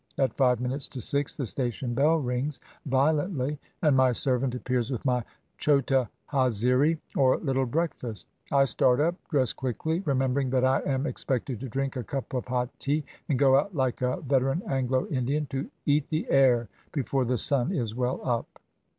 At five minutes to six the station bell rings violently, and my servant appears with my chota haziri, or little breakfast. I start up, dress quickly, remembering that I am ex pected to drink a cup of hot tea, and go out like a vet eran Anglo Indian, to "eat the air," before the sun is well up.